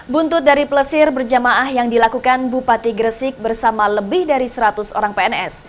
buntut dari pelesir berjamaah yang dilakukan bupati gresik bersama lebih dari seratus orang pns